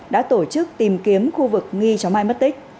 đã tổ chức tìm kiếm khu vực nghi cho mai mất tích